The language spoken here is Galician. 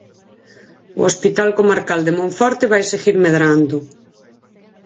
O Hospital Comarcal de Monforte vai seguir medrando.